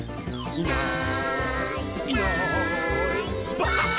「いないいないばあっ！」